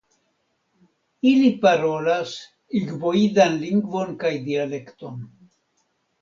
Ili parolas igboidan lingvon kaj dialekton.